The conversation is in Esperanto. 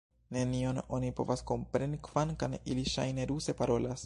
Nenion oni povas kompreni, kvankam ili ŝajne ruse parolas!